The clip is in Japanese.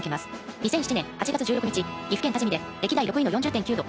２００７年８月１６日岐阜県多治見で歴代６位の４０．９度。